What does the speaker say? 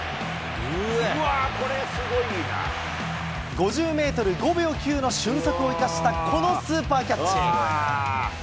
５０メートル５秒９の俊足を生かした、このスーパーキャッチ。